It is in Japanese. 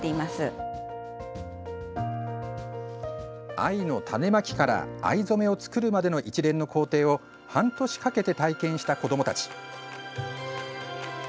藍の種まきから藍染めを作るまでの一連の工程を半年かけて体験した子どもたち。